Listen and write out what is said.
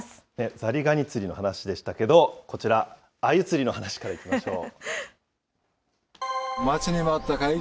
ザリガニ釣りの話でしたけれども、こちら、アユ釣りの話からいきましょう。